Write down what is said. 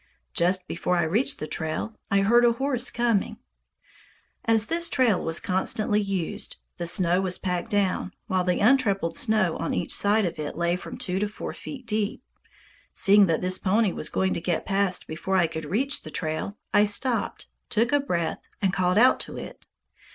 Just before I reached the trail, I heard a horse coming. As this trail was constantly used, the snow was packed down, while the untrampled snow on each side of it lay from two to four feet deep. Seeing that this pony was going to get past before I could reach the trail, I stopped, took a breath, and called out to it.